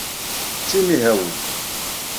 D timihawin.